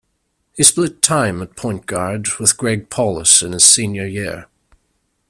He split time at point guard with Greg Paulus in his senior year.